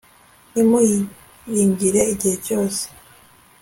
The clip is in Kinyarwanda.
nimuyiringire igihe cyose